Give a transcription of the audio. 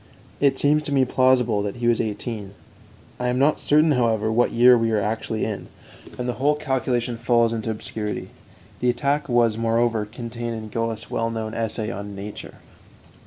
It seems to me plausible that he was eighteen. I am not certain, however, what year we are actually in, and the whole calculation falls into obscurity. The attack was, moreover, contained in Goethe's well known essay on 'Nature.'"